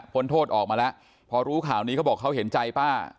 พ้นโทษออกมาละพอรู้ข่านี้ก็บอกเขาเห็นใจปะ